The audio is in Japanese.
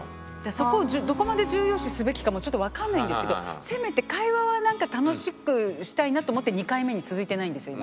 そこをどこまで重要視すべきかもちょっとわかんないんですけどせめて会話はなんか楽しくしたいなと思って２回目に続いてないんですよね。